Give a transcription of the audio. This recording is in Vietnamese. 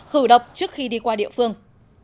khử độc trước khi đi qua địa phương